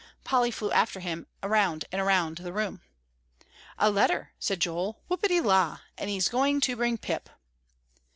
Polly flew after him around and around the room. "A letter," said Joel; "whoopity la! and he's going to bring Pip."